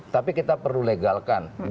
tapi kita perlu legalkan